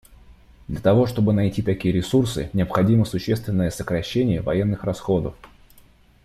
Для того, чтобы найти такие ресурсы, необходимо существенное сокращение военных расходов.